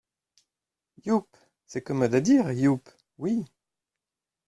Yupp !… c’est commode à dire, "yupp" oui !